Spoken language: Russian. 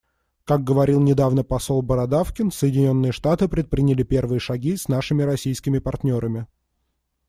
Как говорил недавно посол Бородавкин, Соединенные Штаты предприняли первые шаги с нашими российскими партнерами.